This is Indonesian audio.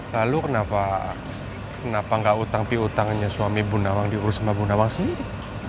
lalu kenapa kenapa nggak hutang hutangnya suami bu nawang diurus sama bu nawang sendiri